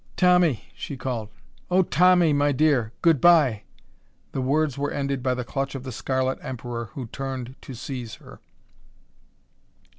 "Tommy," she called: "oh, Tommy, my dear! Good by!" The words were ended by the clutch of the scarlet Emperor who turned to seize her.